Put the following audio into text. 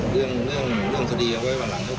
เรื่องสดีเอาไว้วันหลังนะครับ